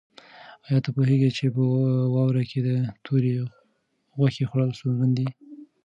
آیا ته پوهېږې چې په واوره کې د تورې غوښې خوړل ستونزمن دي؟